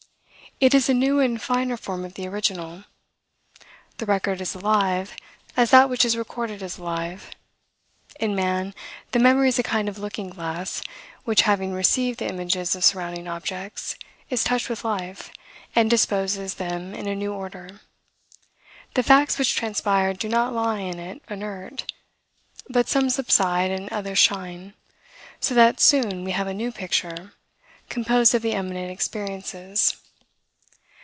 It is a new and finer form of the original. The record is alive, as that which it recorded is alive. In man, the memory is a kind of looking glass, which, having received the images of surrounding objects, is touched with life, and disposes them in a new order. The facts which transpired do not lie in it inert; but some subside, and others shine; so that soon we have a new picture, composed of the eminent experiences.